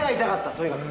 とにかく。